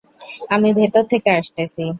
আমি ভেতর থেকে আসতেছি।